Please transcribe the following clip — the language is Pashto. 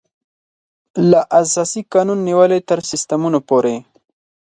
له اساسي قانون نېولې تر سیسټمونو پورې.